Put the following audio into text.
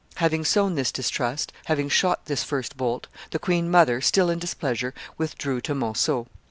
Having sown this distrust, having shot this first bolt, the queen mother, still in displeasure, withdrew to Monceaux.